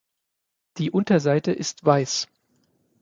Die Unterseite ist weiß.